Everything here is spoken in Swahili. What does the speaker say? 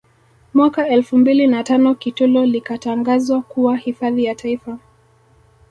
Mwaka elfu mbili na tano Kitulo likatangazwa kuwa hifadhi ya Taifa